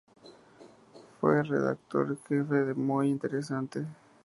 Fue redactor jefe de "Muy Interesante".